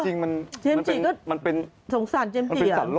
จริงมันเป็นมันเป็นสงสันเจ็มเตี๋ยว